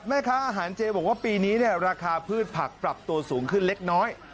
แม่ค้าอาหารเจบอกว่าปีนี้ราคาพืชผักปรับตัวสูงขึ้นเล็กน้อย